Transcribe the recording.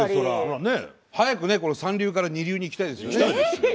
早く三流から二流にいきたいですよね。